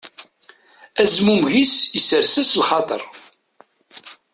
Azmummeg-is isers-as lxaṭer.